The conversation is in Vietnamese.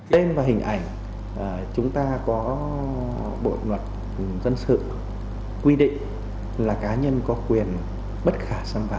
em vào hình ảnh chúng ta có bộ luật dân sự quy định là cá nhân có quyền bất khả xâm phạm